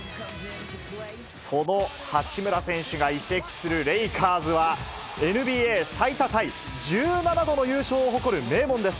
その八村選手が移籍するレイカーズは、ＮＢＡ最多タイ１７度の優勝を誇る名門です。